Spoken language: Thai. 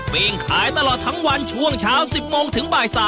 ปิ้งขายตลอดทั้งวันช่วงเช้า๑๐โมงถึงบ่าย๓